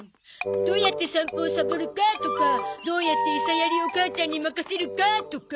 どうやって散歩をサボるかとかどうやってエサやりを母ちゃんに任せるかとか。